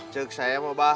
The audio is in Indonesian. cek saya mbah